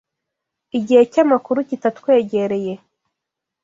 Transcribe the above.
Igihe cyamakuru kitatwegereye